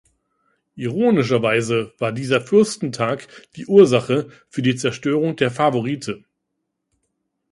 Ironischerweise war dieser Fürstentag die Ursache für die Zerstörung der Favorite.